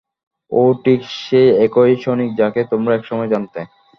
ও ঠিক সেই একই সনিক যাকে তোমরা একসময় জানতে।